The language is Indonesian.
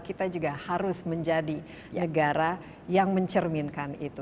kita juga harus menjadi negara yang mencerminkan itu